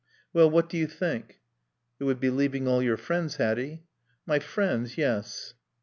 "Well what do you think?" "It would be leaving all your friends, Hatty." "My friends yes.